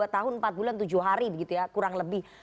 dua tahun empat bulan tujuh hari kurang lebih